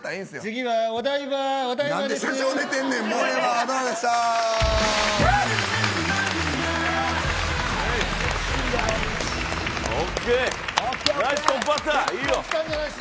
次はお台場、お台場です。